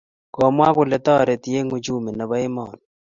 Komwa kole toriti eng uchumi nebo emoni